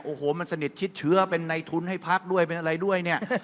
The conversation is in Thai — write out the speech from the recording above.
โอ้โหมันสนิทชิดเชื้อเป็นในทุนให้พักด้วยเป็นอะไรด้วยเนี่ย